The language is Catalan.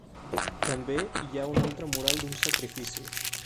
També hi ha un altre mural d'un sacrifici.